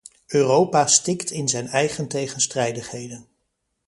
Europa stikt in zijn eigen tegenstrijdigheden.